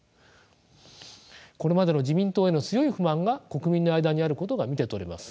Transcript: これまでの自民党への強い不満が国民の間にあることが見て取れます。